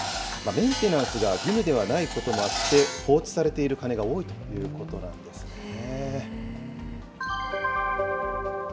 メンテナンスが義務ではないこともあって、放置されている鐘が多いということなんですね。